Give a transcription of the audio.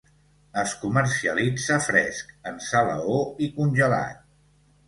Es comercialitza fresc, en salaó i congelat.